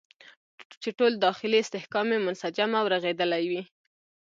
چې ټول داخلي استحکام یې منسجم او رغېدلی وي.